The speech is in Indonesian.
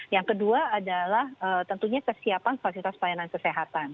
yang kedua adalah tentunya kesiapan fasilitas pelayanan kesehatan